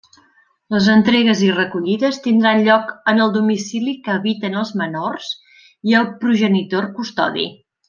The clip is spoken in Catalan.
Les entregues i recollides tindran lloc en el domicili que habiten els menors i el progenitor custodi.